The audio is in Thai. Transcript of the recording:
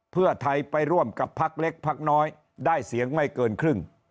เพื่อไทยไปร่วมกับพักเล็กพักน้อยได้เสียงไม่เกินครึ่ง